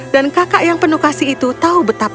dan kakak yang penuh kasih itu tahu betapa